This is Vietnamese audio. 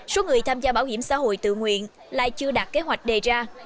số người tham gia bảo hiểm xã hội tự nguyện lại chưa đạt kế hoạch đề ra